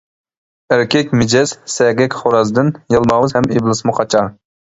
ئەركەك مىجەز سەگەك خورازدىن يالماۋۇز ھەم ئىبلىسمۇ قاچار.